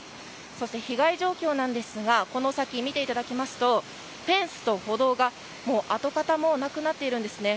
そして被害状況なんですがこの先、フェンスと歩道が跡形もなくなっているんですね。